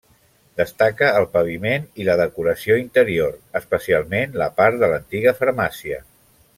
Destaca el paviment i la decoració interior, especialment la part de l'antiga farmàcia.